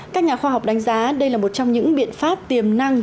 các nhà khoa học đánh giá đây là một trong những biện pháp tiềm năng